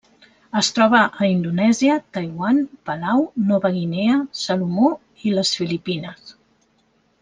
Es troba a Indonèsia, Taiwan, Palau, Nova Guinea, Salomó i les Filipines.